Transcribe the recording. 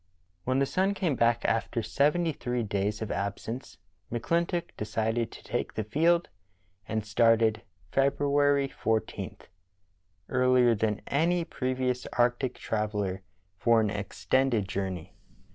When the sun came back after seventy three days of absence, McClintock decided to take the field, and started February 14, earlier than any previous arctic traveller, for an extended journey.